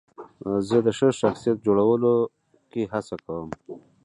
زه د ښه شخصیت په جوړولو کې هڅه کوم.